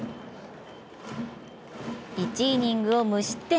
１イニング無失点、